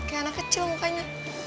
kayak anak kecil mukanya